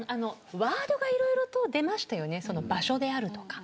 ワードがいろいろと出ましたよね、場所がとか。